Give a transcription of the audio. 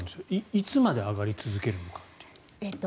いつまで上がり続けるのか。